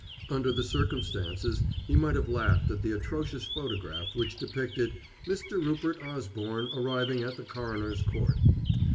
Under other circumstances, he might have laughed at the atrocious photograph which depicted "Mr. Rupert Osborne arriving at the coroner's court."